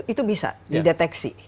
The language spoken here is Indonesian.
itu bisa dideteksi